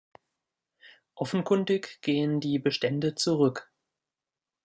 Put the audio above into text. Offenkundig gehen die Bestände zurück.